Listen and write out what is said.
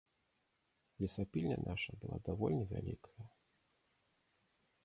Лесапільня наша была даволі вялікая.